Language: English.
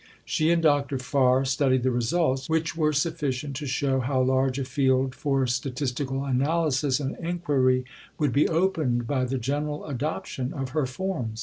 She and Dr. Farr studied the results, which were sufficient to show how large a field for statistical analysis and inquiry would be opened by the general adoption of her Forms.